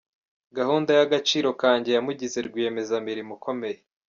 Gahunda ya “Agaciro kanjye” yamugize Rwiyemezamirimo ukomeye